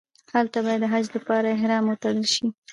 هلته باید د حج لپاره احرام وتړل شي.